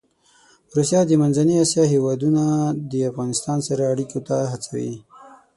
روسیه د منځنۍ اسیا هېوادونه د افغانستان سره اړيکو ته هڅوي.